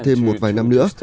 thêm một vài năm nữa